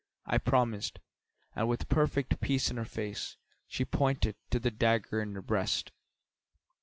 I promised, and with perfect peace in her face, she pointed to the dagger in her breast.